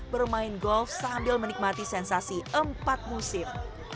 bermain golf sambil menikmati sensasi empat musim